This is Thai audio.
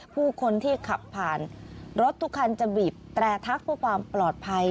ผู้คนที่ขับผ่านรถทุกคันจะบีบแตรทักเพื่อความปลอดภัย